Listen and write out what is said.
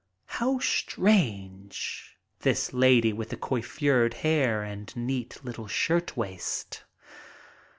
How strange, this lady with the coiffured hair and neat little shirtwaist!